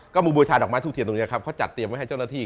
ก็มาบูชาดอกไม้ทูบเทียนตรงนี้ครับเขาจัดเตรียมไว้ให้เจ้าหน้าที่